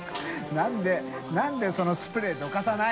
何でそのスプレーどかさない！